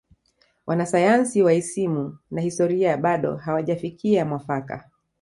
Wanasayansi wa isimu na historia bado hawajafikia mwafaka